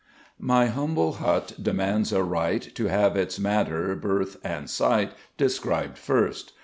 My humble hut demands a right To have its matter, birth and site Described first!